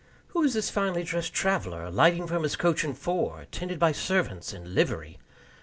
Who is this finely dressed traveler alighting from his coach and four, attended by servants in livery?